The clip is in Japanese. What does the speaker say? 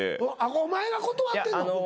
お前が断ってんの？